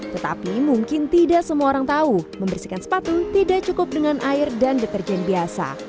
tetapi mungkin tidak semua orang tahu membersihkan sepatu tidak cukup dengan air dan deterjen biasa